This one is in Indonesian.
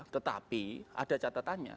tetapi ada catatannya